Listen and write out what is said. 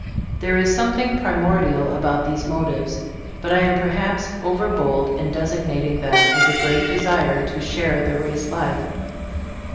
There is something primordial about these motives, but I am perhaps overbold in designating them as a great desire to share the race life.